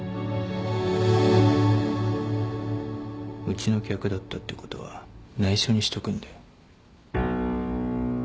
うちの客だったってことは内緒にしとくんで